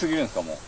もう。